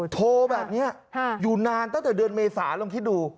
โทรแบบนี้อยู่นานตั้งแต่เดือนเมษาลองคิดดู